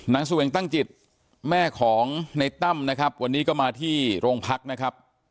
แสวงตั้งจิตแม่ของในตั้มนะครับวันนี้ก็มาที่โรงพักนะครับ